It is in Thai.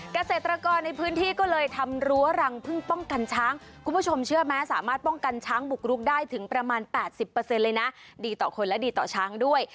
เกษตรกรในพื้นที่ก็เลยทำรั้วรังพึ่งป้องกันช้างคุณผู้ชมเชื่อไหมสามารถป้องกันช้างบุกรุกได้ถึงประมาณ๘๐เลยนะดีต่อคนและดีต่อช้างด้วย